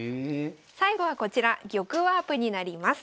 最後はこちら玉ワープになります。